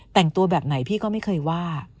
แต่งตัวแบบไหนพี่ก็ไม่เคยว่า